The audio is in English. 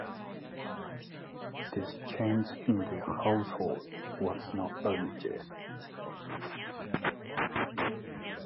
This change in the household was not permitted.